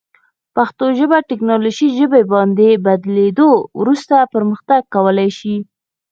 پښتو ژبه تکنالوژي ژبې باندې بدلیدو وروسته پرمختګ کولی شي.